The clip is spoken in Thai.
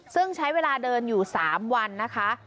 ซึ่งใช้เวลาเดินอยู่๓วันนะคะ